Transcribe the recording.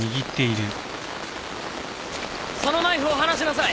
そのナイフを離しなさい。